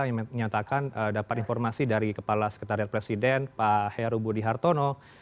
yang menyatakan dapat informasi dari kepala sekretariat presiden pak heru budi hartono